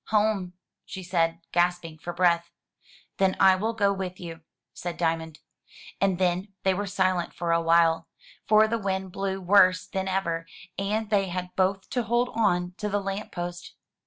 "Home," she said, gasping for breath. "Then I will go with you,'' said Diamond. And then they were silent for a while, for the wind blew worse than ever, and they had both to hold on to the lamp post.